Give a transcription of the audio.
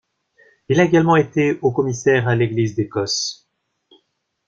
Il a également été Haut-Commissaire à l'Église d'Écosse.